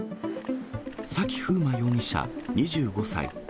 崎楓真容疑者２５歳。